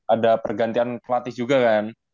ada pergantian pelatih juga kan